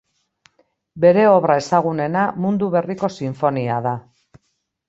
Bere obra ezagunena Mundu Berriko Sinfonia da.